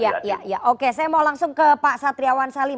ya oke saya mau langsung ke pak satriawan salim